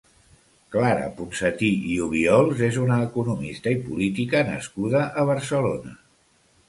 Clara Ponsatí i Obiols és una economista i política nascuda a Barcelona.